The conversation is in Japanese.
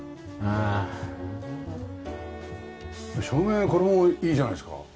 照明これもいいじゃないですか。